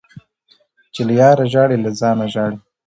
- چي له یاره ژاړي له ځانه ژاړي.